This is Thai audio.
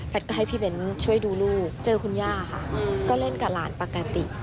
ก็ให้พี่เบ้นช่วยดูลูกเจอคุณย่าค่ะก็เล่นกับหลานปกติ